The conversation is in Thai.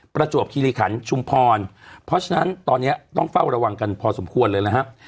ประจวบคิริขันชุมพรเพราะฉะนั้นตอนนี้ต้องเฝ้าระวังกันพอสมควรเลยนะครับ